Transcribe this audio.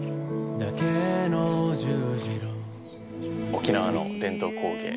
沖縄の伝統工芸